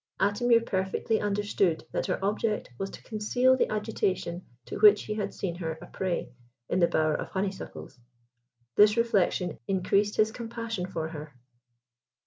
Atimir perfectly understood that her object was to conceal the agitation to which he had seen her a prey in the bower of honeysuckles. This reflection increased his compassion for her.